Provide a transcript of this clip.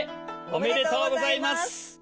おめでとうございます。